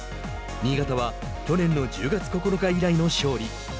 新潟は去年の１０月９日以来の勝利。